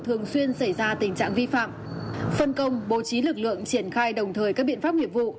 thường xuyên xảy ra trong các trường hợp